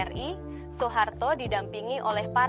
presiden suharto didampingi oleh presiden ri